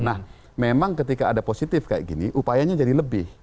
nah memang ketika ada positif kayak gini upayanya jadi lebih